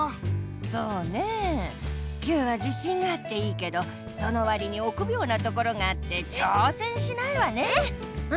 そうねえＱは自信があっていいけどそのわりにおくびょうなところがあってちょうせんしないわねえ。